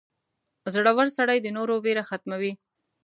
• زړور سړی د نورو ویره ختموي.